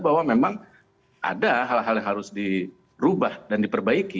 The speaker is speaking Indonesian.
bahwa memang ada hal hal yang harus dirubah dan diperbaiki